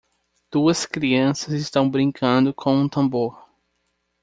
Duas crianças estão brincando com um tambor.